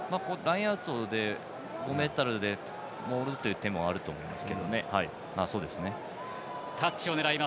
ラインアウトでモールという手もあると思います。